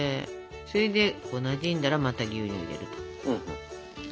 それでなじんだらまた牛乳を入れると。